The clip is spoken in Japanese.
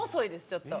ちょっと。